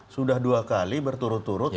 sudah dua kali berturut turut